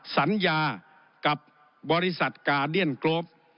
สัญญากับบริษัทกาเดียนกรฟ